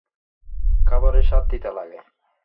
খাবারের স্বাদ তিতা লাগে।